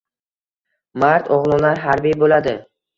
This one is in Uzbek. Mard o‘g‘lonlar harbiy bo‘ladi